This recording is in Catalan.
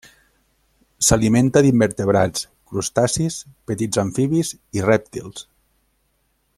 S'alimenta d'invertebrats, crustacis, petits amfibis i rèptils.